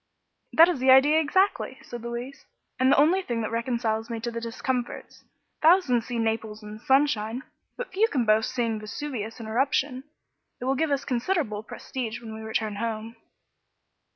"That is the idea, exactly," said Louise, "and the only thing that reconciles me to the discomforts. Thousands see Naples in sunshine, but few can boast seeing Vesuvius in eruption. It will give us considerable prestige when we return home."